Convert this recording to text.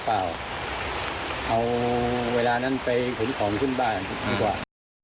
เอาเวลานั้นไปขุมของขึ้นบ้านดีกว่า